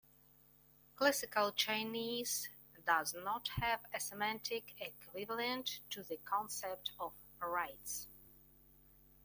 Classical Chinese does not have a semantic equivalent to the concept of "rights".